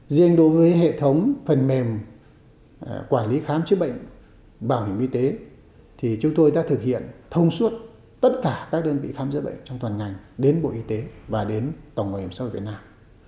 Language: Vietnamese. riêng đối với hệ thống phần mềm quản lý khám chữa bệnh bảo hiểm y tế thì chúng tôi đã thực hiện thông suốt tất cả các đơn vị khám chữa bệnh trong toàn ngành đến bộ y tế và đến tổng bảo hiểm xã hội việt nam